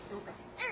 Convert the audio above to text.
うん。